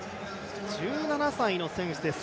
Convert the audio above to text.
１７歳の選手です。